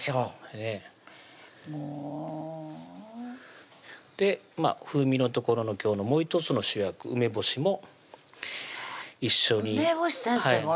ええもう風味のところの今日のもう１つの主役・梅干しも一緒に梅干し先生